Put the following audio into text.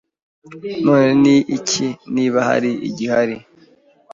None ni iki niba hari n'igihari